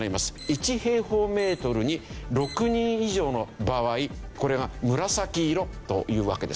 １平方メートルに６人以上の場合これが紫色というわけです。